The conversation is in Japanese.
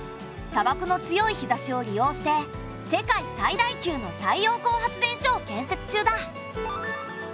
砂漠の強い日ざしを利用して世界最大級の太陽光発電所を建設中だ。